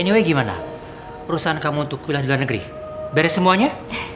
anyway gimana perusahaan kamu untuk kuliah di luar negeri beres semuanya